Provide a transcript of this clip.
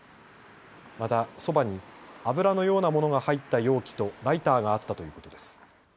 また、そばに油のようなものが入った容器とライターがあったということです。